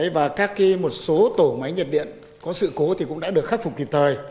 và các một số tổ máy nhiệt điện có sự cố thì cũng đã được khắc phục kịp thời